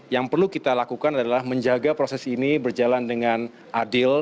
yang perlu kita lakukan adalah menjaga proses ini berjalan dengan adil